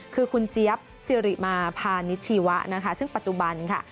คือคุณเจี๊ยบซิริมาพานิชชีวะนะคะ